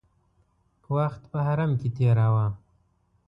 وخت په حرم کې تېراوه.